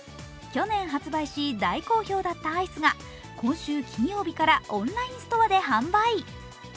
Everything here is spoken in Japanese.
去年発売し、大好評だったアイスが今週金曜日からオンラインストアで販売。